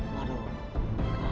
waduh gak awet ya